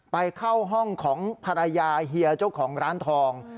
เข้าห้องของภรรยาเฮียเจ้าของร้านทอง